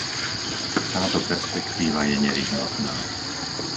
Táto perspektíva je nevyhnutná.